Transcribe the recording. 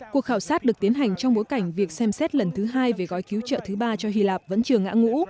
cuộc khảo sát được tiến hành trong bối cảnh việc xem xét lần thứ hai về gói cứu trợ thứ ba cho hy lạp vẫn chưa ngã ngũ